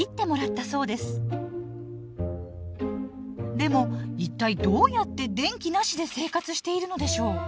でも一体どうやって電気なしで生活しているのでしょう？